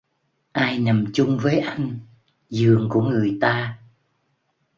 Ai nằm chung với anh giường của người ta